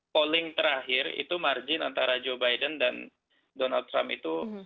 polling terakhir itu margin antara joe biden dan donald trump itu